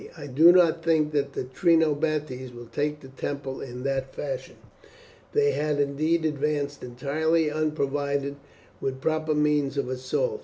I do not think that the Trinobantes will take the temple in that fashion." They had indeed advanced entirely unprovided with proper means of assault.